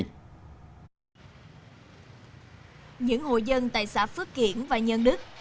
những hội dân tại xã phước kiển và nhân đức